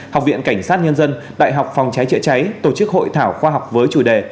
học viện cảnh sát nhân dân đại học phòng cháy chữa cháy tổ chức hội thảo khoa học với chủ đề